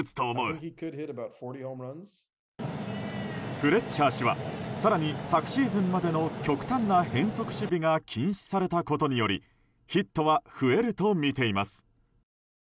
フレッチャー氏は更に昨シーズンまでの極端な変則守備が禁止されたことによりヒットは増えるとみています。